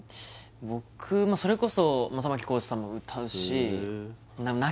僕それこそ玉置浩二さんも歌うしああ